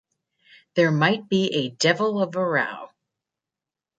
There might be a devil of a row.